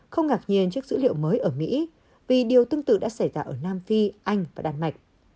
không ngạc nhiên trước dữ liệu mới ở mỹ vì điều tương tự đã xảy ra ở nam phi anh và đan mạch